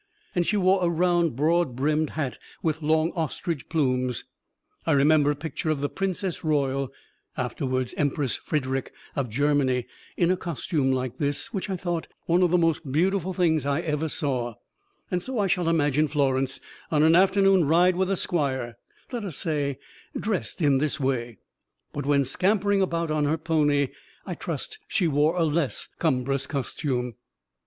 and she wore a round, broad brimmed hat with long ostrich plumes. I remember a picture of the Princess Royal (afterwards Empress Frederick of Germany), in a costume like this, which I thought one of the most beautiful things I ever saw, so I shall imagine Florence, on an afternoon ride with the squire, let us say, dressed in this way; but when scampering about on her pony, I trust, she wore a less cumbrous costume.